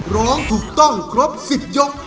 ร้องถูกต้องครบ๑๐ยก